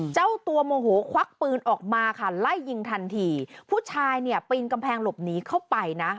เจ้าตัวโมโหควักปืนออกมาค่ะไล่ยิงทันทีผู้ชายเนี่ยปีนกำแพงหลบหนีเข้าไปนะ